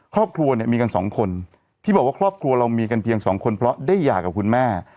ครอบครัวเนี่ยมีกันสองคนที่บอกว่าครอบครัวเรามีกันเพียงสองคนเพราะได้หย่ากับคุณแม่